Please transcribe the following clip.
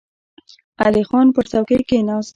علی خان پر څوکۍ کېناست.